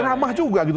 namah juga gitu